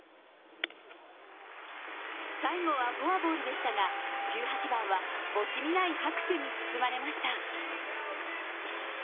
最後はフォアボールでしたが、１８番は惜しみない拍手に包まれました。